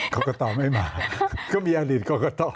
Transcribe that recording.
กรกฎอมไม่มาก็มีอดิตกรกฎอม